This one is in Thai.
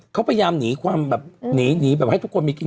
เขาพยายามหนีความแบบหนีแบบให้ทุกคนมีกิน